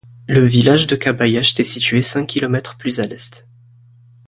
Le village de Căbăiești est situé cinq kilomètres plus à l'est.